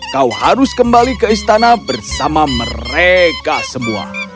kau harus kembali ke istana bersama mereka semua